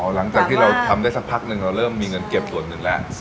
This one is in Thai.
หลังจากที่เราทำได้สักพักหนึ่งเราเริ่มมีเงินเก็บส่วนหนึ่งแล้ว